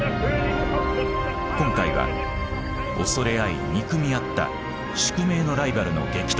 今回は恐れ合い憎み合った宿命のライバルの激突。